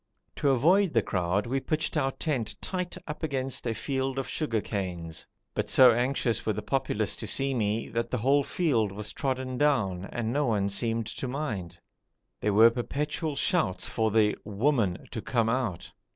To avoid the crowd we pitched our tent tight up against a field of sugar canes, but so anxious were the populace to see me, that the whole field was trodden down and no one seemed to mind. There were perpetual shouts for the 'woman' to come out.